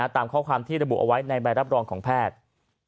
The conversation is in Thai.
ตามข้อความที่ระบุเอาไว้ในใบรับรองของแพทย์